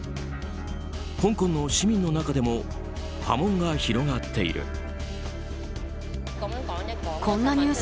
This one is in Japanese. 香港の市民の中でも波紋が広がっている。